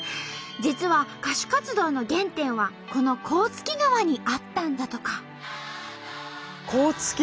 実は歌手活動の原点はこの甲突川にあったんだとか。